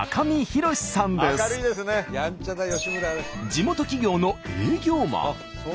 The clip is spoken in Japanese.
地元企業の営業マン。